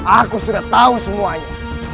aku sudah tahu semuanya